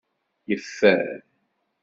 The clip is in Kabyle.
Yeffer.